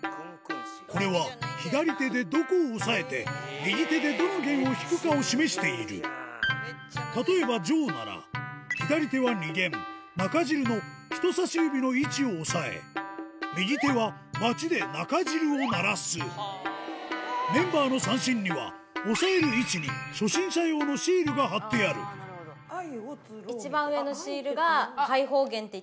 これは左手でどこを押さえて右手でどの弦を弾くかを示している例えば「上」なら左手は２弦中弦の人さし指の位置を押さえ右手はバチで中弦を鳴らすメンバーの三線には押さえる位置に初心者用のシールが貼ってある合。